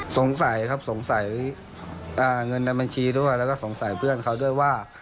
สงสัยครับสงสัยเงินในบัญชีด้วยแล้วก็สงสัยเพื่อนเขาด้วยว่า